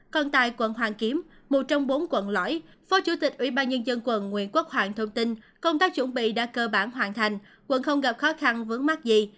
còn tại quận hoàn kiếm một trong bốn quận lõi phó chủ tịch ủy ban nhân dân quận nguyễn quốc hoàng thông tin công tác chuẩn bị đã cơ bản hoàn thành quận không gặp khó khăn vướng mắt gì